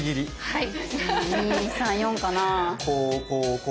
はい。